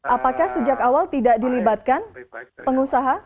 apakah sejak awal tidak dilibatkan pengusaha